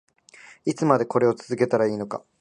いつまでこれを続けたらいいのか